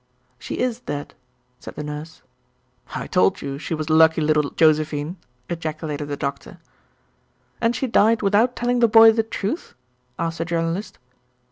'" "She is dead," said the Nurse. "I told you she was lucky little Josephine," ejaculated the Doctor. "And she died without telling the boy the truth?" asked the Journalist.